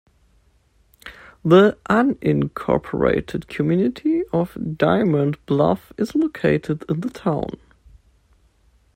The unincorporated community of Diamond Bluff is located in the town.